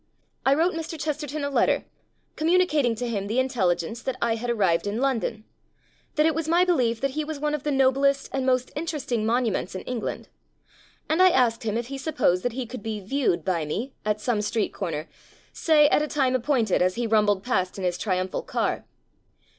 I wrote Mr. Chesterton a letter, com municating to him the intelligence that I had arrived in London, that it was my belief that he was one of the noblest and most interesting monu ments in England ; and I asked him if he supposed that he could be "viewed" by me, at some street comer, say, at a time appointed, as he rumbled past in his triumphal car.